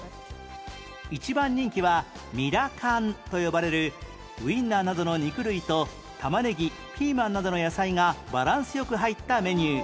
一番人気はミラカンと呼ばれるウィンナーなどの肉類と玉ねぎピーマンなどの野菜がバランス良く入ったメニュー